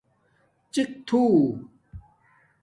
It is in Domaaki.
ڎِق تھو